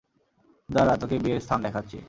দাঁড়া, তোকে বিয়ের স্থান দেখাচ্ছি।